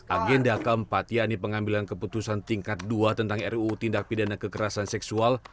agenda keempat yakni pengambilan keputusan tingkat dua tentang ruu tindak pidana kekerasan seksual